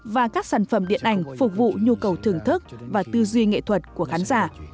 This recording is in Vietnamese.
và các sản phẩm điện ảnh phục vụ nhu cầu thưởng thức và tư duy nghệ thuật của khán giả